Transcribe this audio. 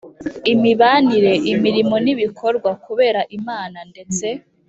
imibanire imirimo n ibikorwa kubera Imana ndetse